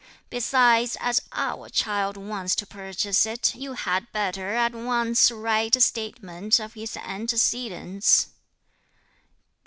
Besides, as our child wants to purchase it, you had better at once write a statement of his antecedents."